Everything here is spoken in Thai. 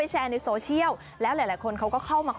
เก่งมาก